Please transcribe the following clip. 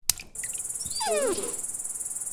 Soru bu.